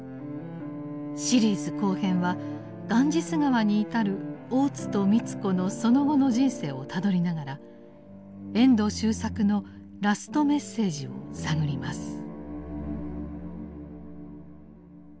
シリーズ後編はガンジス河に至る大津と美津子のその後の人生をたどりながら遠藤周作のラストメッセージを探ります。